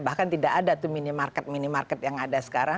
bahkan tidak ada tuh minimarket minimarket yang ada sekarang